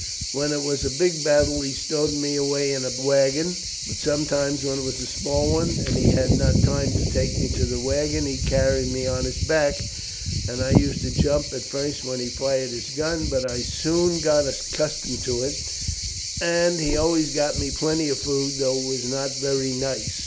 When it was a big battle he stowed me away in a waggon, but sometimes when it was a small one, and he had not time to take me to the waggon, he carried me on his back, and I used to jump at first when he fired his gun, but I soon got accustomed to it, and he always got me plenty of food, though it was not very nice.